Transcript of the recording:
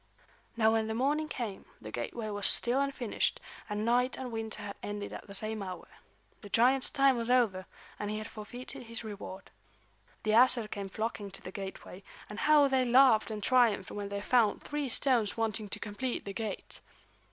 Now when the morning came the gateway was still unfinished, and night and winter had ended at the same hour. The giant's time was over, and he had forfeited his reward. The Æsir came flocking to the gateway, and how they laughed and triumphed when they found three stones wanting to complete the gate!